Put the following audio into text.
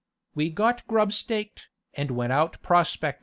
We got grub staked, and went out prospectin'.